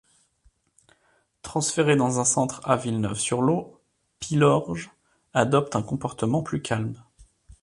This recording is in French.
Transféré dans un centre à Villeneuve-sur-Lot, Pilorge adopte un comportement plus calme.